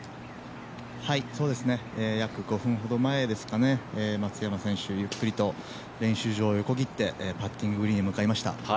約５分ほど前ですか、松山選手、ゆっくりと練習場を横切ってパッティンググリーンに向かいました。